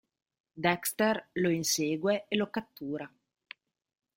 Dexter lo insegue e lo cattura.